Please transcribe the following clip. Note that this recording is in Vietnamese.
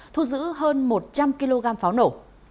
thu dữ hơn một trăm linh kg pháo nổ